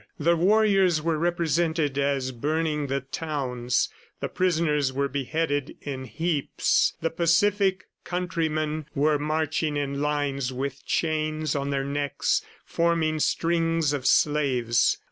The warriors were represented as burning the towns; the prisoners were beheaded in heaps; the pacific countrymen were marching in lines with chains on their necks, forming strings of slaves.